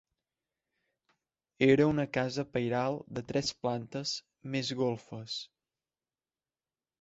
Era una casa pairal de tres plantes més golfes.